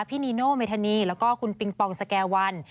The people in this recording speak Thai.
นีโนเมธานีแล้วก็คุณปิงปองสแก่วัน